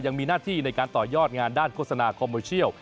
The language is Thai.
ยังมีหน้าที่ในการต่อยอดงานด้านโฆษณาคอมโมเชียล